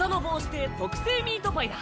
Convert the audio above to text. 亭特製ミートパイだ。